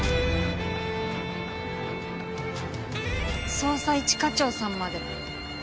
捜査一課長さんまで。